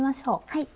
はい。